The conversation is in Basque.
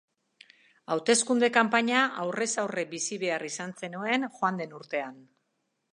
Hauteskunde kanpaina aurrez aurre bizi behar izan zenuen joan den urtean.